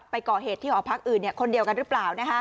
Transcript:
ไปก่อเหตุที่หอพักคนนี้คนเดียวกันรึเปล่า